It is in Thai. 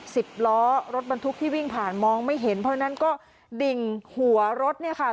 สิบล้อรถบรรทุกที่วิ่งผ่านมองไม่เห็นเพราะฉะนั้นก็ดิ่งหัวรถเนี่ยค่ะ